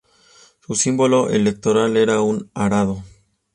Su símbolo electoral era un arado.